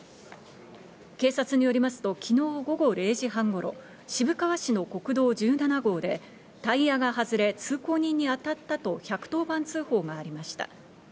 警察によりますと昨日午後０時半頃、渋川市の国道１７号で、タイヤが外れ通行人に当たったと１１０番通報がありました。